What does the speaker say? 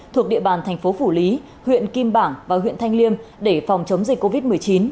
thuộc địa bàn thành phố phủ lý huyện kim bảng và huyện thanh liêm để phòng chống dịch covid một mươi chín